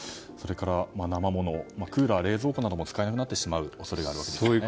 生ものクーラー、冷蔵庫なども使えなくなってしまう恐れがあるわけですね。